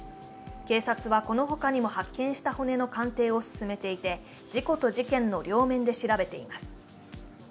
警察はこのほかにも発見した骨の鑑定を進めていて事故と事件の両面で調べています。